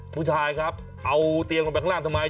ผู้ชายครับเอาเตียงลงไปข้างล่างทำไม